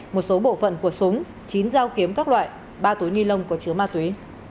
một số bộ phận của súng chín dao kiếm các loại ba túi ni lông có chứa ma túy